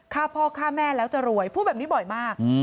ฆ่าพ่อฆ่าแม่แล้วจะรวยพูดแบบนี้บ่อยมาก